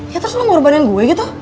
ya terus lo ngorbanin gue gitu